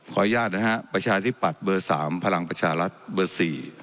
อนุญาตนะฮะประชาธิปัตย์เบอร์๓พลังประชารัฐเบอร์๔